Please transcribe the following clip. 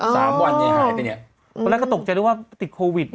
สานวันอยู่หายไปเนี่ยก็ตกใจว่าติดโควิด